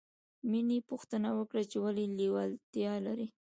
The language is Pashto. مینې پوښتنه وکړه چې ولې لېوالتیا لرې